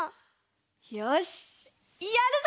よしやるぞ！